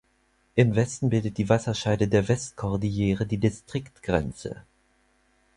Im Westen bildet die Wasserscheide der Westkordillere die Distriktgrenze.